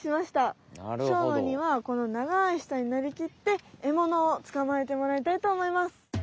しょうまにはこの長い舌になりきってえものをつかまえてもらいたいと思います。